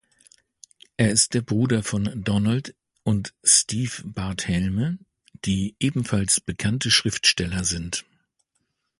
Er ist der Bruder von Donald und Steve Barthelme, die ebenfalls bekannte Schriftsteller sind.